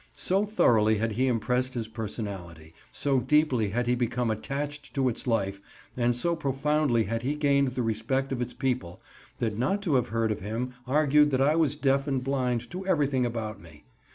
So thoroughly had he impressed his personality; so deeply had he become attached to its life, and so profoundly had he gained the respect of its people, that not to have heard of him argued that I was deaf and blind to everything about me.